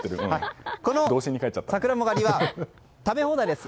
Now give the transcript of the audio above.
このサクランボ狩りは食べ放題です。